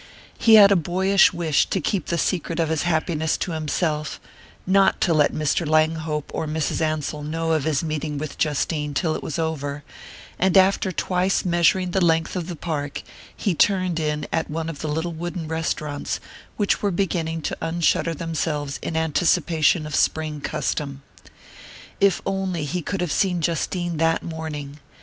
He had a boyish wish to keep the secret of his happiness to himself, not to let Mr. Langhope or Mrs. Ansell know of his meeting with Justine till it was over; and after twice measuring the length of the Park he turned in at one of the little wooden restaurants which were beginning to unshutter themselves in anticipation of spring custom. If only he could have seen Justine that morning!